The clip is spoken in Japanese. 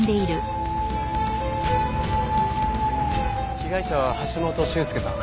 被害者は橋本俊介さん。